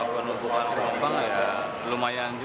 penumpang penumpang ya lumayan